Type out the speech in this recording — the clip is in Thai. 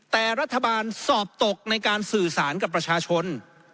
แต่รัฐบาลสอบตกในการสื่อสารกับประชาชน